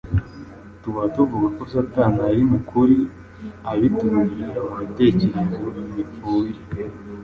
tuba tuvuga ko Satani ari mu kuri abitubwira mu bitekerezo bipfuye,